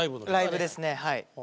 ライブですねはい。